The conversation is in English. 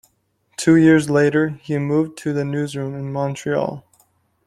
Two years later, he moved to the newsroom in Montreal.